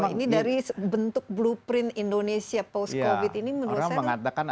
ini dari bentuk blueprint indonesia post covid ini menurut saya